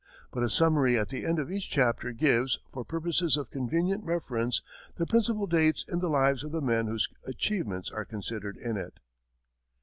But a summary at the end of each chapter gives, for purposes of convenient reference, the principal dates in the lives of the men whose achievements are considered in it.